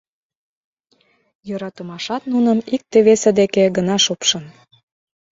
Йӧратымашат нуным икте-весе деке гына шупшын.